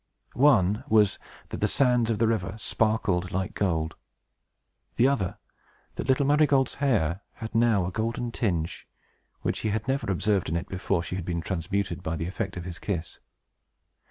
One was, that the sands of the river sparkled like gold; the other, that little Marygold's hair had now a golden tinge, which he had never observed in it before she had been transmuted by the effect of his kiss.